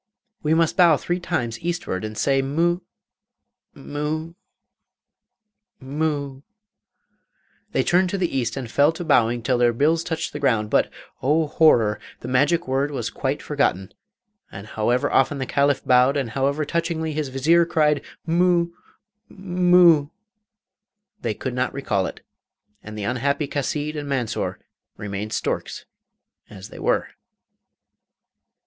'We must bow three times eastwards and say "Mu...mu...mu..."' They turned to the east and fell to bowing till their bills touched the ground, but, oh horror the magic word was quite forgotten, and however often the Caliph bowed and however touchingly his Vizier cried 'Mu...mu...' they could not recall it, and the unhappy Chasid and Mansor remained storks as they were.